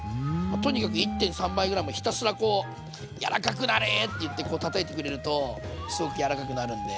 とにかく１．３倍ぐらいまでひたすらこう「やらかくなれ」って言ってこうたたいてくれるとすごく柔らかくなるんで。